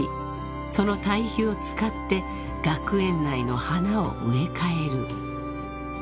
その堆肥を使って学園内の花を植え替える］